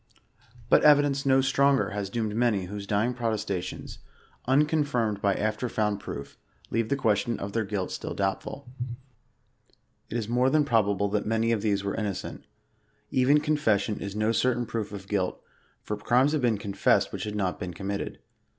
But evidence no stronger has doomed many whose dying protesta tions, unconfirmed by after found proof, leave the question of their guih still doubtful. It is more than probable that many of these were innocent. Even confession is no certain proof of guilt, for crimes have been confessed which had not been committed.